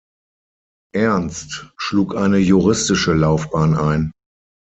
Ernst schlug eine juristische Laufbahn ein.